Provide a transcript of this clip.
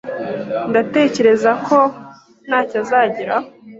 Ndatekereza ko ntacyo azageraho